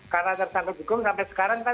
karena tersangka hukum sampai sekarang